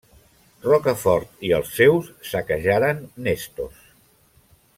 Rocafort i els seus saquejaren Nestos.